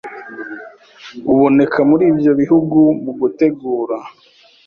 uboneka muri ibyo bihugu mu gutegura